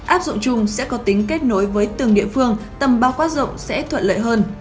áp dụng chung sẽ có tính kết nối với từng địa phương tầm bao quát rộng sẽ thuận lợi hơn